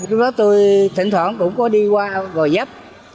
lúc đó tôi thỉnh thoảng cũng có đi qua gò dấp